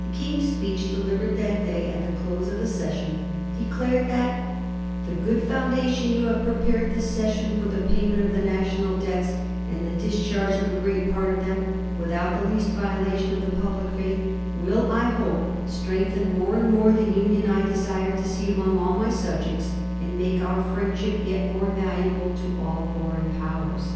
The King's speech, de livered that day, at the close of the session, declared that *the good foundation you have prepared this session for the payment of the national debts, and the discharge of a great part of them, without the least violation of the public faith, will, I hope, strengthen more and more the union I desire to see among all my subjects, and make our friendship yet more valuable to all foreign Powers.'